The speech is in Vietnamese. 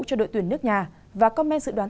cho đội tuyển nước nhà và comment dự đoán